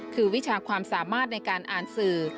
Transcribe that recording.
คือวิชาความสามารถในการอ่านสื่อ